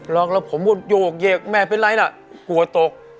ล็อกแล้วผมโยกเหยกแม่เป็นไรน่ะหัวตก